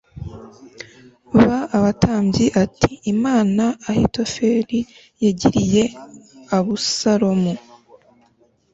b abatambyi ati Inama Ahitofeli yagiriye Abusalomu